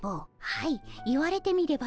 はい！